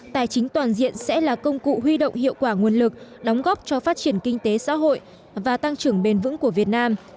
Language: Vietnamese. tài chính toàn diện sẽ là công cụ huy động hiệu quả nguồn lực đóng góp cho phát triển kinh tế xã hội và tăng trưởng bền vững của việt nam